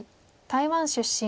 台湾出身。